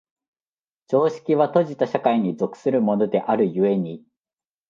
常識は閉じた社会に属するものである故に、